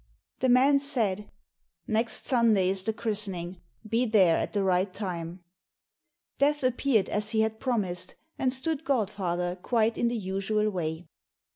The man said, "Next Sunday is the christening; be there at the right time." Death appeared as he had promised, and stood godfather quite in the usual way.